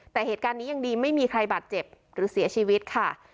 แต่เหตุการณ์นี้ยังดีไม่มีใครบาดเจ็บหรือเสียชีวิตค่ะ